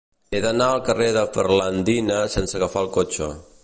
He d'anar al carrer de Ferlandina sense agafar el cotxe.